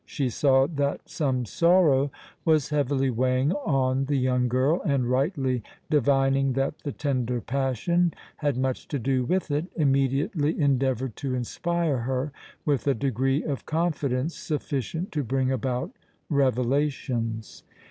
She saw that some sorrow was heavily weighing on the young girl, and, rightly divining that the tender passion had much to do with it, immediately endeavored to inspire her with a degree of confidence sufficient to bring about revelations.